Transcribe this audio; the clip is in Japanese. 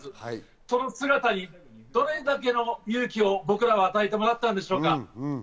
その姿にどれだけの勇気を僕らは与えてもらったんでしょうか。